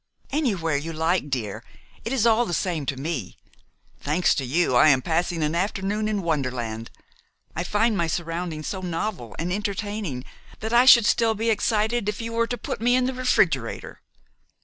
"Anywhere you like, dear. It is all the same to me. Thanks to you, I am passing an afternoon in wonderland. I find my surroundings so novel and entertaining that I should still be excited if you were to put me in the refrigerator."